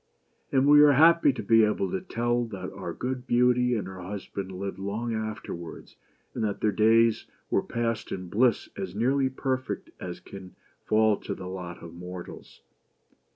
And we are happy to be able to tell that our good Beauty and her husband lived long afterwards, and that their days were passed in bliss as nearly perfect as can fall to the lot of mortals.